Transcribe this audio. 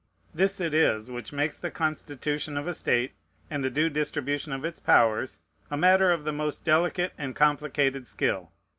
This it is which makes the constitution of a state, and the due distribution of its powers, a matter of the most delicate and complicated skill.